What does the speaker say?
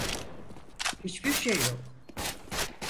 Hiç bir şey yok.